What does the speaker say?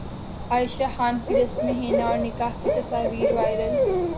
عائشہ خان کی رسم حنا اور نکاح کی تصاویر وائرل